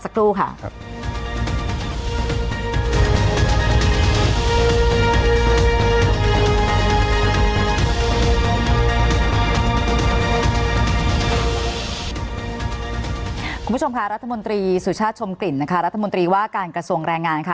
คุณผู้ชมค่ะรัฐมนตรีสุชาติชมกลิ่นนะคะรัฐมนตรีว่าการกระทรวงแรงงานค่ะ